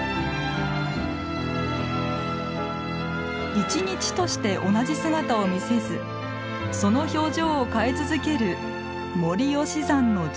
一日として同じ姿を見せずその表情を変え続ける森吉山の樹氷。